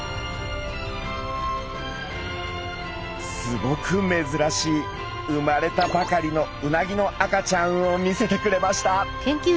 すごくめずらしい生まれたばかりのうなぎの赤ちゃんを見せてくれました。